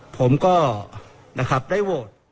ผมก็นะครับได้โหวต